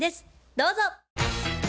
どうぞ。